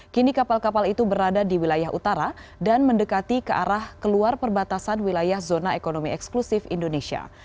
kini kapal kapal itu berada di wilayah utara dan mendekati ke arah keluar perbatasan wilayah zona ekonomi eksklusif indonesia